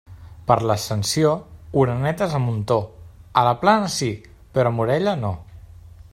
Per l'Ascensió, orenetes a muntó; a la Plana sí, però a Morella no.